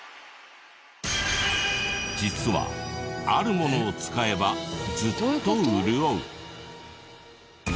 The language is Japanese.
実はあるものを使えばずっと潤う。